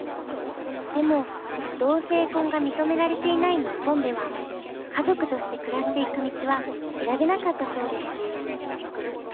でも同性婚が認められていない日本では家族として暮らしていく道は選べなかったそうです。